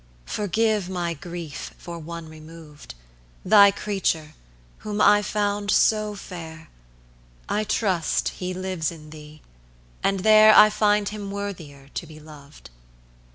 Forgive my grief for one removed, Thy creature, whom I found so fair. I trust he lives in thee, and there I find him worthier to be loved.